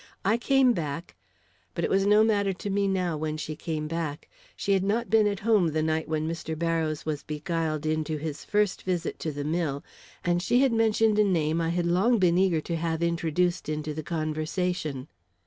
I came back " But it was no matter to me now when she came back. She had not been at home the night when Mr. Barrows was beguiled into his first visit to the mill, and she had mentioned a name I had long been eager to have introduced into the conversation.